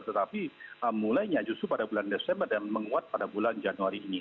tetapi mulainya justru pada bulan desember dan menguat pada bulan januari ini